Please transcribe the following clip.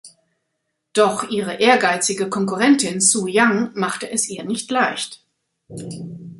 Doch ihre ehrgeizige Konkurrentin Sue Young macht es ihr nicht leicht.